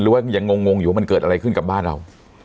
หรือว่าจะงงอยู่มันเกิดอะไรขึ้นกับบ้านเรา